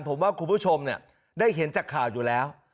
ผมว่าคุณผู้ชมได้เห็นจากข่าวอยู่แล้ว